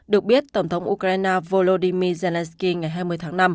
được biết tổng thống ukraine volodymyr zelensky ngày hai mươi tháng năm